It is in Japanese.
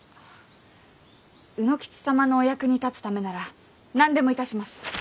卯之吉様のお役に立つためなら何でもいたします。